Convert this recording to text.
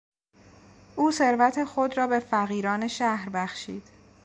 او ثروت خود را به فقیران شهر بخشید.